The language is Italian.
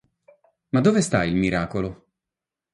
Ma dove sta il miracolo?